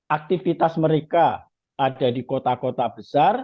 aktivitas mereka ada di kota kota besar